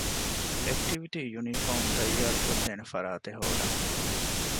އެކްޓިވިޓީ ޔުނީފޯމު ތައްޔާރުކޮށްދޭނެ ފަރާތެއް ހޯދަން